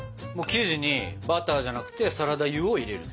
生地にバターじゃなくてサラダ油を入れる！